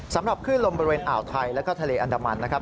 สำหรับคลื่นลมบริเวณอ่าวไทยแล้วก็ทะเลอันดามันนะครับ